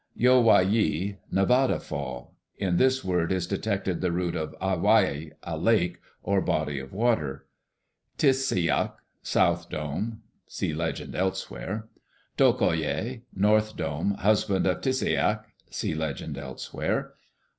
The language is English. "Yo wai yi, Nevada Fall. In this word is detected the root of Awaia, 'a lake' or body of water. "Tis se' yak, South Dome. [See legend elsewhere.] "To ko' ye, North Dome, husband of Tisseyak. [See legend elsewhere.